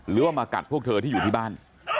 หรือว่ามากัดพวกเธอที่อยู่ที่บ้าน